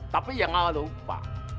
tapi jangan lupa